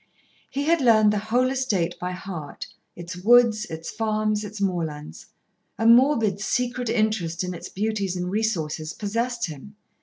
He had learned the whole estate by heart, its woods, its farms, its moorlands. A morbid secret interest in its beauties and resources possessed him.